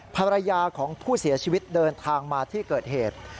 ภรรยาของผู้เสียชีวิตเดินทางมาที่เกิดเหตุ